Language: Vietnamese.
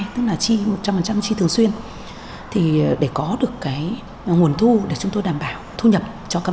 tức là chi một trăm linh chi thường xuyên thì để có được cái nguồn thu để chúng tôi đảm bảo thu nhập cho các